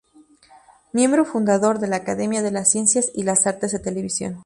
Miembro fundador de la Academia de las Ciencias y las Artes de Televisión.